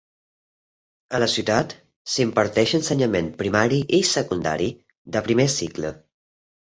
A la ciutat s'imparteix ensenyament primari i secundari de primer cicle.